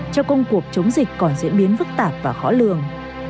cho công cuộc chống dịch còn diễn biến phức tạp và khó lường